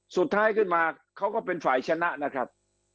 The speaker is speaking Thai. สุดท้ายขึ้นมาเขาก็เป็นฝ่ายชนะนะครับ